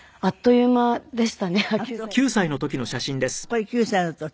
これ９歳の時？